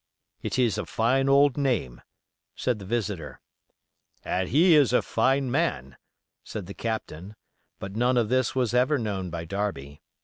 "It is a fine old name," said the visitor. "And he is a fine man," said the captain; but none of this was ever known by Darby.